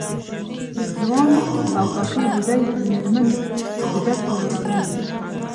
ځوانې او پخې بوډۍ مېرمنې ګودر ته راروانې وې.